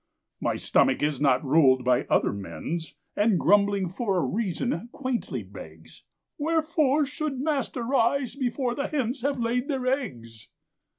My stomach is not ruled by other men's, And grumbling for a reason, quaintly begs "Wherefore should master rise before the hens Have laid their eggs?"